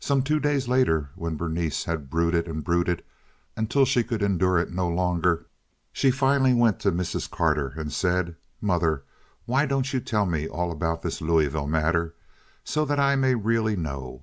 Some two days later, when Berenice had brooded and brooded until she could endure it no longer, she finally went to Mrs. Carter and said: "Mother, why don't you tell me all about this Louisville matter so that I may really know?